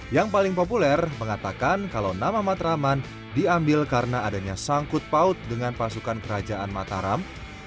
yang paling populer mengatakan kalau nama matraman diambil karena adanya sangkut paut dengan pasukan kerajaan mataram